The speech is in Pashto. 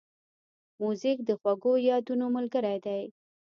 موزیک د خوږو یادونو ملګری دی.